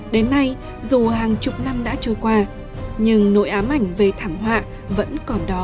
đến nay dù hàng chục năm đã trôi qua nhưng nội ám ảnh về thảm họa vẫn còn đó